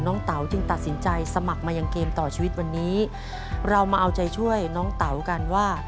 เต๋าจึงตัดสินใจสมัครมายังเกมต่อชีวิตวันนี้เรามาเอาใจช่วยน้องเต๋ากันว่า